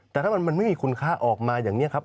แต่ถ้ามันไม่มีคุณค่าออกมาอย่างนี้ครับ